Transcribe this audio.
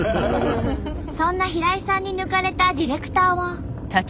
そんな平井さんに抜かれたディレクターは。